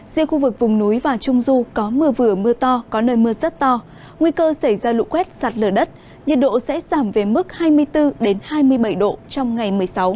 riêng khu vực vùng núi và trung du có mưa vừa mưa to có nơi mưa rất to nguy cơ xảy ra lũ quét sạt lở đất nhiệt độ sẽ giảm về mức hai mươi bốn hai mươi bảy độ trong ngày một mươi sáu